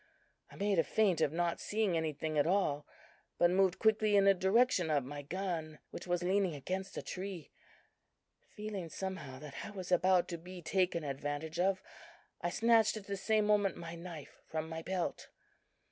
I made a feint of not seeing anything at all, but moved quickly in the direction of my gun, which was leaning against a tree. Feeling, somehow, that I was about to be taken advantage of, I snatched at the same moment my knife from my belt.